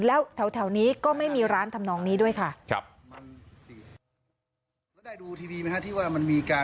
แล้วแถวนี้ก็ไม่มีร้านทำนองนี้ด้วยค่ะ